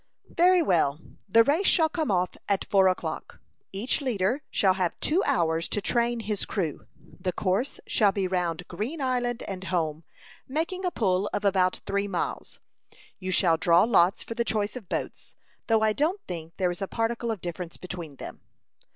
"Very well. The race shall come off at four o'clock. Each leader shall have two hours to train his crew. The course shall be round Green Island and home, making a pull of about three miles. You shall draw lots for the choice of boats, though I don't think there is a particle of difference between them."